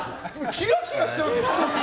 キラキラしてますよ、瞳。